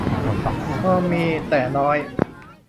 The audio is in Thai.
พอมี แต่น้อย